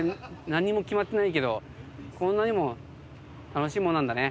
何も決まってないけどこんなにも楽しいもんなんだね。